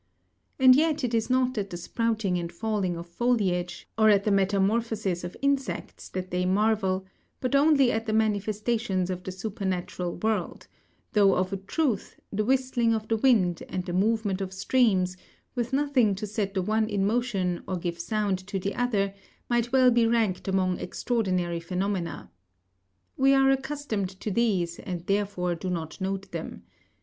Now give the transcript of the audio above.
And yet it is not at the sprouting and falling of foliage, or at the metamorphosis of insects that they marvel, but only at the manifestations of the supernatural world; though of a truth, the whistling of the wind and the movement of streams, with nothing to set the one in motion or give sound to the other, might well be ranked among extraordinary phenomena. We are accustomed to these, and therefore do not note them.